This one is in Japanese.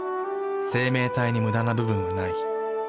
生命体にムダな部分はない。